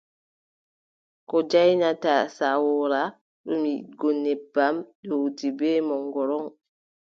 Ko jaanyata sawoora, ɗum yiɗgo nebbam, ɗowdi bee mongoro.